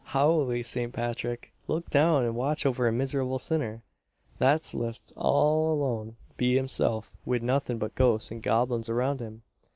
Howly Sant Pathrick! look down an watch over a miserable sinner, that's lift all alone be himself, wid nothin' but ghosts an goblins around him!"